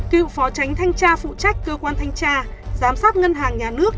cựu phó tránh thanh tra phụ trách cơ quan thanh tra giám sát ngân hàng nhà nước